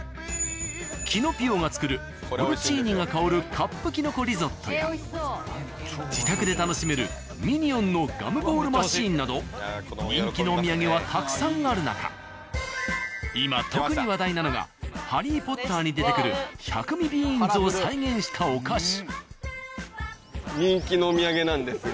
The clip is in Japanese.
キノピオが作るポルチーニが薫るカップきのこリゾットや自宅で楽しめるミニオンのガムボールマシーンなど人気のお土産はたくさんある中今特に話題なのが「ハリー・ポッター」に出てくる百味ビーンズを再現したお菓子。